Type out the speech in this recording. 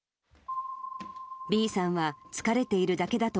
Ｂさんは疲れているだけだと